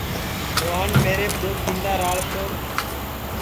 روہن میریپ دؔو کھیندا راݪ تو